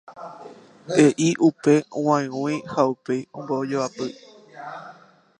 e'i upe g̃uaig̃ui ha upéi ombojoapy